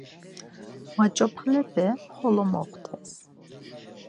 Maç̌opalepe xolo moxtes.